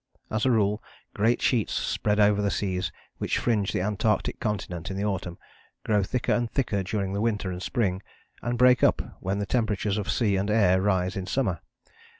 As a rule great sheets spread over the seas which fringe the Antarctic continent in the autumn, grow thicker and thicker during the winter and spring, and break up when the temperatures of sea and air rise in summer.